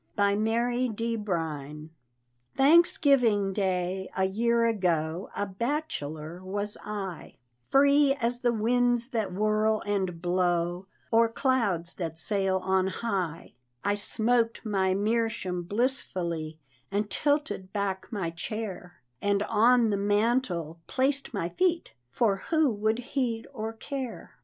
BY MARY D. BRINE. Thanksgiving day, a year ago, A bachelor was I, Free as the winds that whirl and blow, Or clouds that sail on high: I smoked my meerschaum blissfully, And tilted back my chair, And on the mantel placed my feet, For who would heed or care?